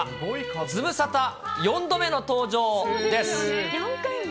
ズムサタ４度目の登場です。